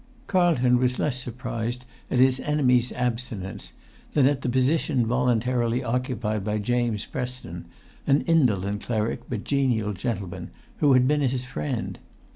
Carlton was less surprised at his enemy's abstinence than at the position voluntarily occupied by James Preston, an indolent cleric but genial gentleman, who had been his friend.